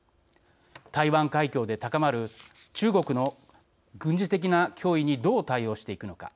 台湾海峡で高まる中国の軍事的な脅威にどう対応していくのか。